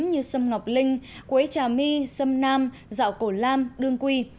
như sâm ngọc linh quế trà my sâm nam dạo cổ lam đương quy